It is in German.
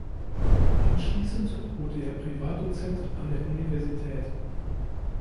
Anschließend wurde er Privatdozent an der Universität.